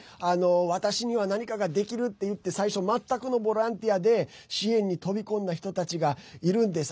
私には何かができるっていって最初、全くのボランティアで支援に飛び込んだ人たちがいるんです。